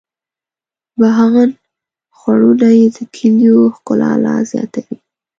بهاند خوړونه یې د کلیو ښکلا لا زیاتوي.